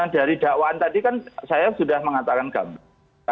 dari dakwaan tadi kan saya sudah mengatakan gambar